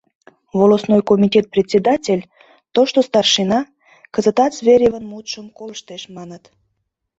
Волостной комитет председатель, тошто старшина, кызытат Зверевын мутшым колыштеш, маныт.